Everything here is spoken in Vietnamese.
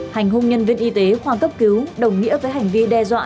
hành hung nhân viên y tế khoa cấp cứu đồng nghĩa với hành vi đe dọa